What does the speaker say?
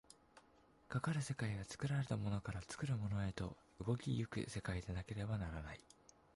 かかる世界は作られたものから作るものへと動き行く世界でなければならない。